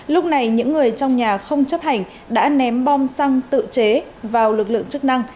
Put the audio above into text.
lúc này những người trong nhà không chấp hành đã ném bom xăng tự chế vào lực lượng chức năng